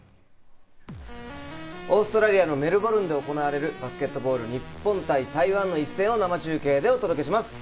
オーストラリアのメルボンで行われるバスケットボール日本対台湾の一戦を生中継でお届けします。